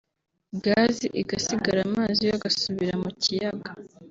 gazi igasigara amazi yo agasubira mu kiyaga